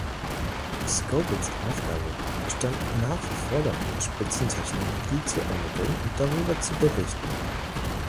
Scobles Aufgabe besteht nach wie vor darin, Spitzentechnologie zu ermitteln und darüber zu berichten.